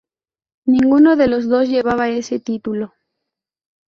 Ninguno de los dos llevaba ese título.